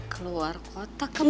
keluar kota kemana